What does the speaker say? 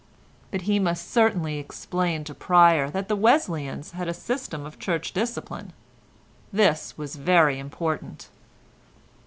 But he must certainly explain to Pryer that the Wesleyans had a system of Church discipline. This was very important.